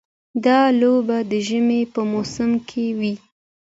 دا لوبه د ژمي په موسم کې وي.